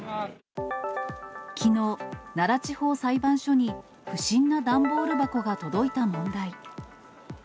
きのう、奈良地方裁判所に不審な段ボール箱が届いた問題。